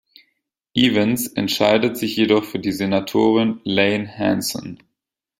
Evans entscheidet sich jedoch für die Senatorin Laine Hanson.